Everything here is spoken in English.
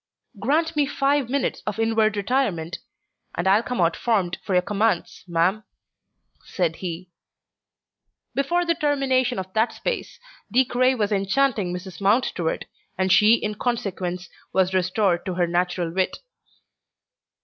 "Grant me five minutes of inward retirement, and I'll come out formed for your commands, ma'am," said he. Before the termination of that space De Craye was enchanting Mrs. Mountstuart, and she in consequence was restored to her natural wit.